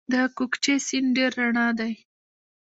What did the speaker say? د کوکچې سیند ډیر رڼا دی